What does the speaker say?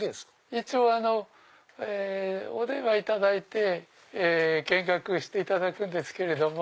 一応お電話いただいて見学していただくんですけれども。